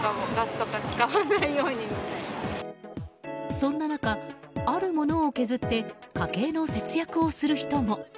そんな中、あるものを削って家計の節約をする人も。